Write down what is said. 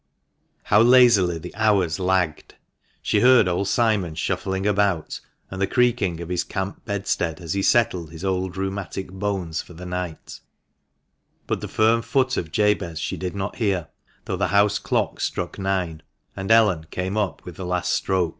How lazily the hours lagged ! She heard old Simon shuffling about, and the creaking of his camp bedstead as he settled his old rheumatic bones for the night, but the firm foot of Jabez she did not hear, though the house clock struck nine, and Ellen came up with the last stroke.